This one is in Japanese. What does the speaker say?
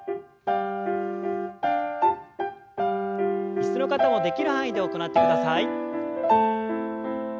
椅子の方もできる範囲で行ってください。